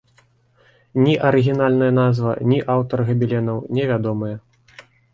Ні арыгінальная назва, ні аўтар габеленаў невядомыя.